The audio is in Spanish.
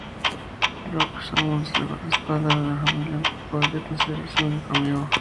Brock Samson es el guardaespaldas de la familia aunque podría considerarse su único amigo.